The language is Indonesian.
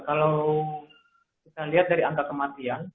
kalau kita lihat dari angka kematian